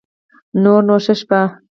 نور نو شه شپه